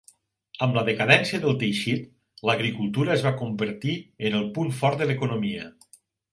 Amb la decadència del teixit, l'agricultura es va convertir en el punt fort de l'economia.